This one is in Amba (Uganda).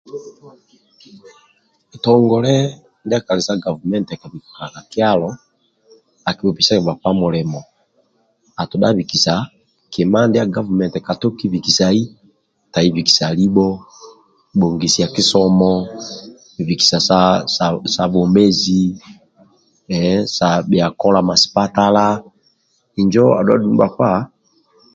Kitongole ndia kali sa gavumenti kabika ka kyalo akibhupesiaga bhakpa mulimo atodha abikisa kima ndia gavumenti katoki bikisai tai bikisa libho bhongosia kisomo bikisa sa bwomezi bia kola masipatala injo dumbi adhu bhakpa